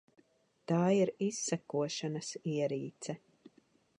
Tā ir izsekošanas ierīce.